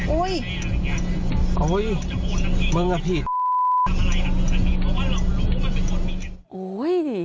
อุ้ยอุ้ยมึงกับพี่